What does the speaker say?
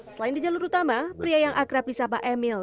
selain di jalur utama pria yang akrab di sapa emil